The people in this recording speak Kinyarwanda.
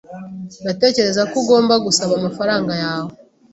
Ndatekereza ko ugomba gusaba amafaranga yawe.